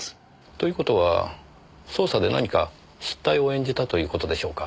という事は捜査で何か失態を演じたという事でしょうか？